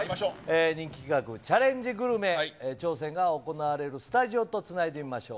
人気企画、チャレンジグルメ、挑戦が行われるスタジオとつないでみましょう。